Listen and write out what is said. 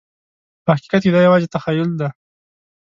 په حقیقت کې دا یوازې تخیل دی.